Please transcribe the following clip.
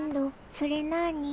それなあに？